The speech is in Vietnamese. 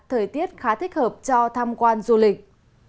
thời tiết khá thích hợp cho tham quan du lịch